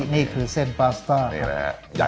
นี่คือเส้นพาสตาร์ครับ